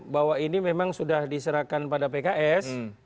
bahwa ini memang sudah diserahkan pada pks